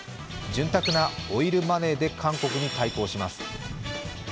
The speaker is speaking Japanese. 潤沢なオイルマネーで韓国に対抗します。